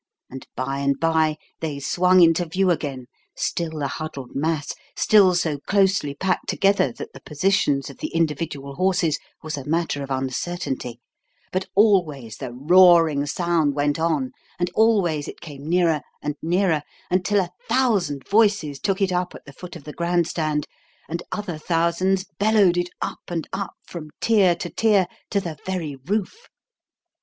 And by and bye they swung into view again still a huddled mass, still so closely packed together that the positions of the individual horses was a matter of uncertainty but always the roaring sound went on and always it came nearer and nearer, until a thousand voices took it up at the foot of the grand stand, and other thousands bellowed it up and up from tier to tier to the very roof.